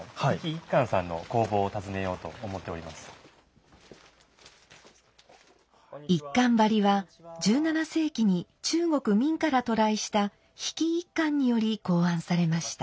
一閑張は１７世紀に中国明から渡来した飛来一閑により考案されました。